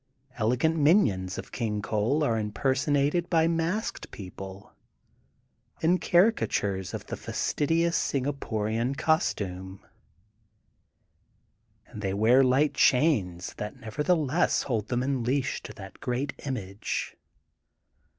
Elegant minions of Eang Coal are impersonated by masked people, in caricatures of the fastidious Singa porian costume, and they wear light chains that, nevertheless, hold them in leash to the great image.